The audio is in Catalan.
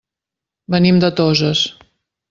Venim de Toses.